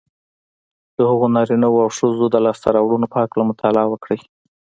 د هغو نارینهوو او ښځو د لاسته رواړنو په هکله مطالعه وکړئ